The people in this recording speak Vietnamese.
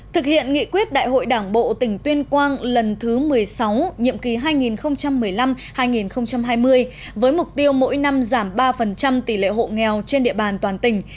thực hiện nghị quyết đại hội đảng bộ tỉnh tuyên quang lần thứ một mươi sáu nhiệm kỳ hai nghìn một mươi năm hai nghìn hai mươi với mục tiêu mỗi năm giảm ba tỷ lệ hộ nghèo trên địa bàn toàn tỉnh